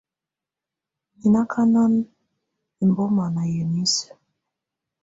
Mɛ̀ nɔ̀ akana ɛmbɔma nà yamɛ̀á isǝ́.